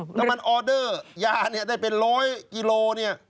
แล้วมันออเดอร์ยาได้เป็น๑๐๐กิโลเนี่ย